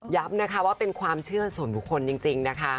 นะคะว่าเป็นความเชื่อส่วนบุคคลจริงนะคะ